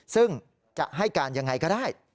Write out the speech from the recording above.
ซึ่งจะให้การยังไงก็ได้